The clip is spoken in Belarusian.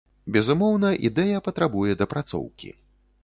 Безумоўна, ідэя патрабуе дапрацоўкі.